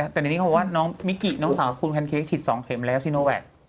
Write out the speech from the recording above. แต่ในนี้เขาบอกว่าน้องมิกิน้องสาวคุณแพนเค้กฉีด๒เข็มแล้วซีโนแวค